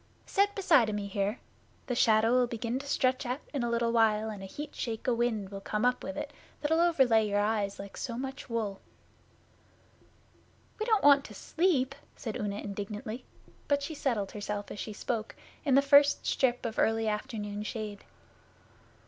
'Set beside o' me here. The shadow'll begin to stretch out in a little while, and a heat shake o' wind will come up with it that'll overlay your eyes like so much wool.' 'We don't want to sleep,' said Una indignantly; but she settled herself as she spoke, in the first strip of early afternoon shade.